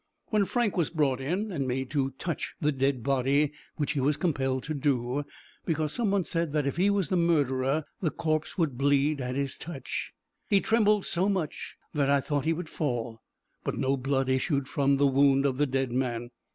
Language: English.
When Frank was brought in and made to touch the dead body, which he was compelled to do, because some said that if he was the murderer, the corpse would bleed at his touch, he trembled so much that I thought he would fall, but no blood issued from the wound of the dead man.